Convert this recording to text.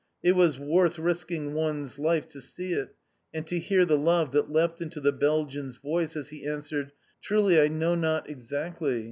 It was worth risking one's life to see it, and to hear the love that leapt into the Belgian's voice as he answered: "Truly, I know not exactly!